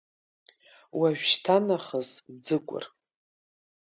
Уажәшьҭанахыс, Ӡыкәыр!